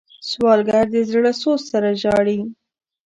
سوالګر د زړه سوز سره ژاړي